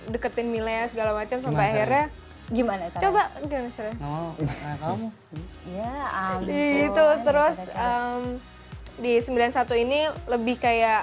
deketin milea segala macam sampai akhirnya gimana coba terus di sembilan puluh satu ini lebih kayak